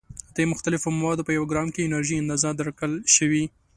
د مختلفو موادو په یو ګرام کې انرژي اندازه درکړل شوې.